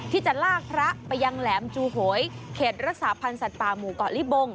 ที่จะลากพระไปยังแหลมจูโหยเขตรักษาพันธ์สัตว์ป่าหมู่เกาะลิบง